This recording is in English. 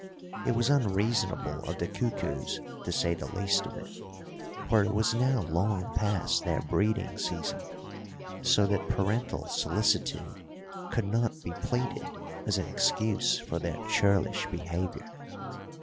It was unreasonable of the cuckoos, to say the least of it, for it was now long past their breeding season, so that parental solicitude could not be pleaded as an excuse for their churlish behaviour.